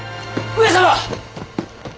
上様！